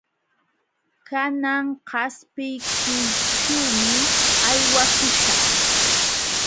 Kanan qaspiykuyćhuumi aywakuśhaq.